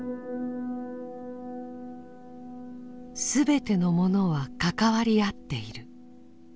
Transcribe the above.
すべてのものは関わり合っている。